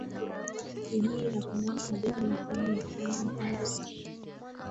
dunia inapambana na janga la ugonjwa wa Corona Mpango alikosolewa na wengi kutokana na